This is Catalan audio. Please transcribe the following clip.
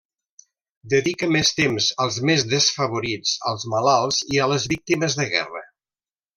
Dedica més temps als més desfavorits, als malalts i a les víctimes de guerra.